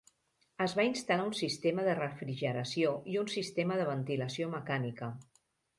Es va instal·lar un sistema de refrigeració i un sistema de ventilació mecànica.